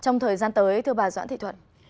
trong thời gian tới thưa bà doãn thị thuận